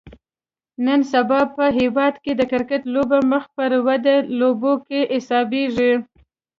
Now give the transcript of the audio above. نن سبا په هیواد کې د کرکټ لوبه مخ پر ودې لوبو کې حسابیږي